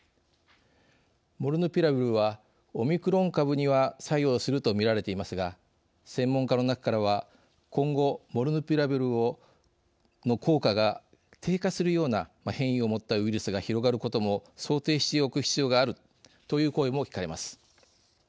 モルヌピラビルはオミクロン株には作用するとみられていますが専門家の中からは「今後、モルヌピラビルの効果が低下するような変異をもったウイルスが広がることも想定しておく必要がある」という声も聞かれます。